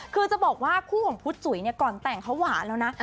คือจะบอกว่าคู่ของพุทธจุ๋ยเนี่ยก่อนแต่งเขาหวานแล้วนะ